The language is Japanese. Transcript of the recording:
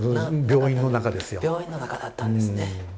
病院の中だったんですね。